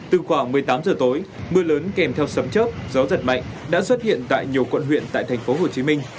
từ khoảng một mươi tám giờ tối mưa lớn kèm theo sấm chớp gió giật mạnh đã xuất hiện tại nhiều quận huyện tại tp hcm